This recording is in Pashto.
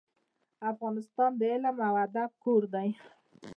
افغانستان د علم او ادب کور دی.